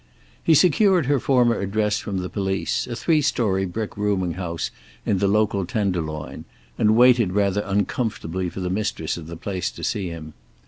He secured her former address from the police, a three story brick rooming house in the local tenderloin, and waited rather uncomfortably for the mistress of the place to see him.